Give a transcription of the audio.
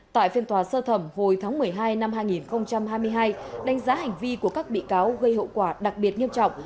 tại phiên tòa sơ thẩm hồi tháng một mươi hai năm hai nghìn hai mươi hai đánh giá hành vi của các bị cáo gây hậu quả đặc biệt nghiêm trọng